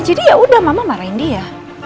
jadi yaudah mama marahin dia